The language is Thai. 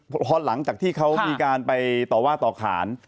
พอหลังจากที่เขามีการไปต่อว่าต่อขาน